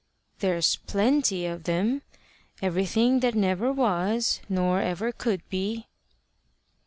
"There's plenty of them everything that never was nor ever could be."